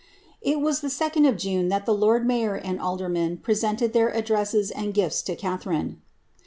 It was the 2d of June that the lord mayor and aldermen presented their addresses and gift to Catharine.